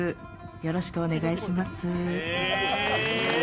よろしくお願いします。